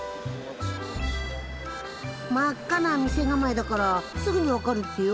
真っ赤な店構えだからすぐに分かるってよ。